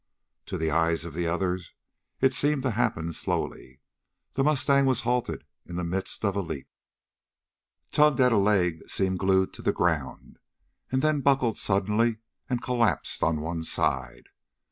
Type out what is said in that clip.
To the eyes of the others it seemed to happen slowly. The mustang was halted in the midst of a leap, tugged at a leg that seemed glued to the ground, and then buckled suddenly and collapsed on one side.